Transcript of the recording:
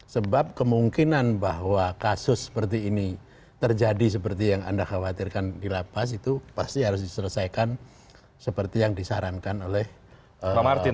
sebab kemungkinan bahwa kasus seperti ini terjadi seperti yang anda khawatirkan di lapas itu pasti harus diselesaikan seperti yang disarankan oleh partai